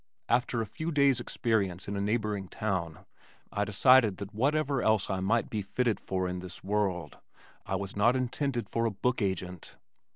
After a few days' experience in a neighboring town I decided that whatever else I might be fitted for in this world, I was not intended for a book agent.